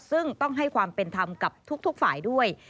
ซึ่งต้องให้ความเป็นธรรมกับทุกฝ่ายด้วย